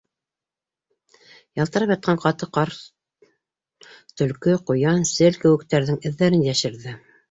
Ялтырап ятҡан ҡаты ҡар төлкө, ҡуян, сел кеүектәрҙең эҙҙәрен йәшерҙе.